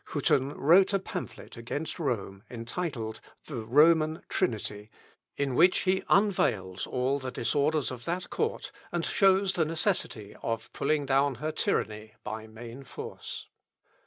On his return to Germany, Hütten wrote a pamphlet against Rome, entitled "The Roman Trinity," in which he unveils all the disorders of that court, and shows the necessity of pulling down her tyranny by main force.